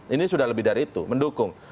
ini sudah lebih dari itu mendukung